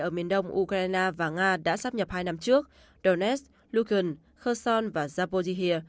ở miền đông ukraine và nga đã sắp nhập hai năm trước donetsk luhansk kherson và zaporizhzhia